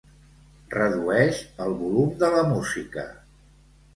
Redueix el volum de la música.